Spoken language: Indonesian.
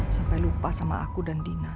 sampai lupa sama aku dan dina